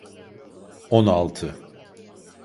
On altı.